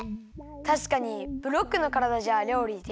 たしかにブロックのからだじゃりょうりできないしね。